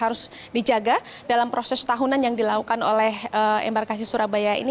harus dijaga dalam proses tahunan yang dilakukan oleh embarkasi surabaya ini